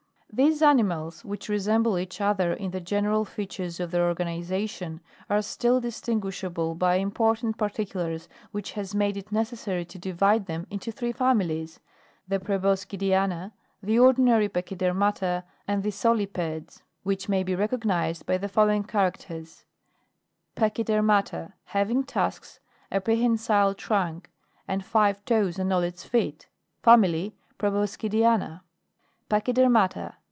These animals, which resemble each other in the general features of their organization, are still distinguishable by impor tant particulars, which has made it necessary to divide them into three families ; the Proboscidiann, the Ordinary Pac/iydermata, and the Solipedes, which may be recognised by the following characters : (Families.) Having tusks, a prehensile trunk and / five toes on all [he feet. \ PROBOSCIDIAN*. PACHYDERMATA.